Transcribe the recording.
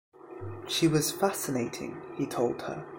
She was fascinating, he told her.